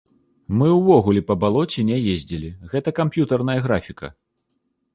Мы ўвогуле па балоце не ездзілі, гэта камп'ютарная графіка.